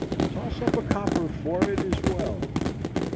Toss up a copper for it as well.